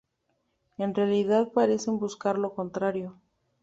En realidad parecen buscar lo contrario.